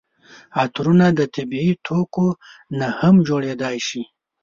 عطرونه د طبیعي توکو نه هم جوړیدای شي.